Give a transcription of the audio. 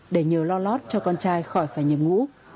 để nhờ lo lót cho con trai khỏi phải nhập ngũ